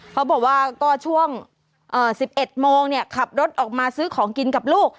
เขาบอกว่าก็ช่วง๑๑โมงขับรถออกมาซื้อของกินกับลูก